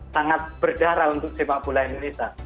sangat berdarah untuk sepak bola indonesia